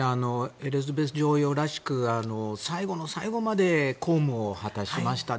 エリザベス女王らしく最後の最後まで公務を果たしました。